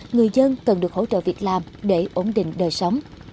người dân cần được hỗ trợ việc làm để ổn định đời sống